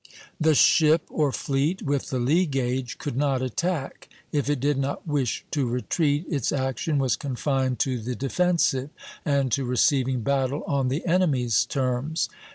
The ship, or fleet, with the lee gage could not attack; if it did not wish to retreat, its action was confined to the defensive, and to receiving battle on the enemy's terms.